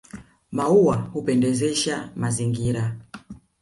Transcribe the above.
Maua hupendezesha mazingira